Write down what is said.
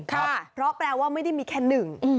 เพราะแปลว่าไม่ได้มีแค่หนึ่ง